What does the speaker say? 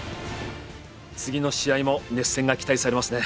次の試合も熱戦が期待されますね。